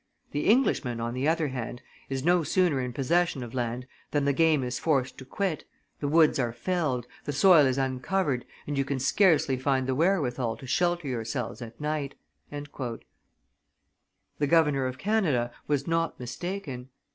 The Englishman, on the other hand, is no sooner in possession of land than the game is forced to quit, the woods are felled, the soil is uncovered, and you can scarcely find the wherewithal to shelter yourselves at night." The governor of Canada was not mistaken.